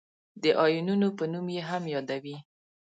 د آیونونو په نوم یې هم یادوي.